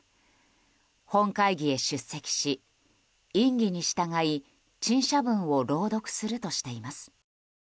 本会議へ出席し院議に従い陳謝文を朗読するとしています。